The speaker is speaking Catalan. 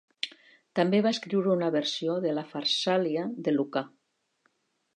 També va escriure una versió de la Farsàlia de Lucà.